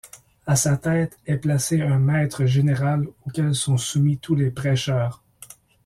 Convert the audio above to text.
À sa tête est placé un maître général auquel sont soumis tous les prêcheurs.